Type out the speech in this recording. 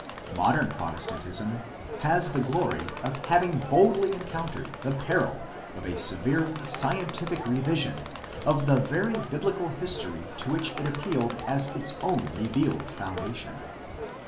Modern Protestantism has the glory of having boldly encountered the peril of a severely scientific revision of the very biblical history to which it appealed as its own revealed foundation.